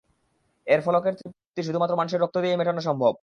এর ফলকের তৃপ্তি শুধুমাত্র মানুষের রক্ত দিয়েই মেটানো সম্ভব।